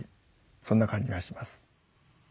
そんな感じがします。